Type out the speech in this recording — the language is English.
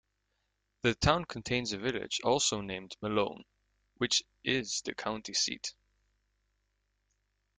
The town contains a village also named Malone, which is the county seat.